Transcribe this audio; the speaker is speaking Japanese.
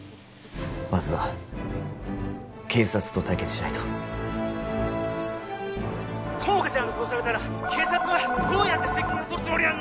まずは警察と対決しないと☎友果ちゃんが殺されたら☎警察はどうやって責任を取るつもりなんだ！？